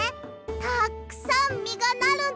たっくさんみがなるんだって。